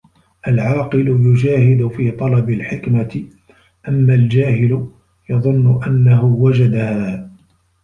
العاقل يُجاهد في طلب الحكمة أما الجاهل يظن أنه وجدها.